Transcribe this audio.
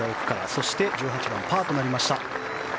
そしてパーとなりました。